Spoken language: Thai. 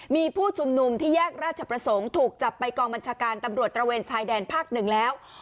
มีผู้ชุมนุมที่แยกราชประสงค์ถูกจับไปกองบัญชาการตำรวจตระเวนชายแดนภาคหนึ่งแล้ว